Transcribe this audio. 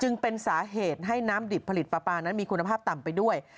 เป็นสาเหตุให้น้ำดิบผลิตปลาปลานั้นมีคุณภาพต่ำไปด้วย